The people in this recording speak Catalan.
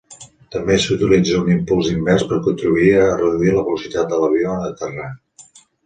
També s'utilitza un impuls invers per contribuir a reduir la velocitat de l'avió en aterrar.